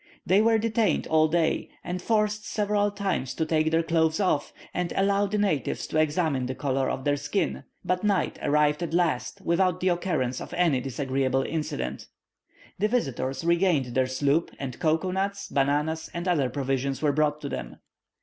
They were detained all day, and forced several times to take their clothes off, and allow the natives to examine the colour of their skin; but night arrived at last, without the occurrence of any disagreeable incident. The visitors regained their sloop, and cocoa nuts, bananas, and other provisions were brought to them.